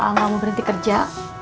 kalau agah mau berhenti kerja